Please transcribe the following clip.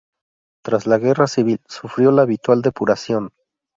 Tras la Guerra Civil, sufrió la habitual depuración.